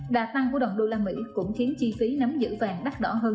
đà tăng của đồng đô la mỹ cũng khiến chi phí nắm giữ vàng đắt đỏ hơn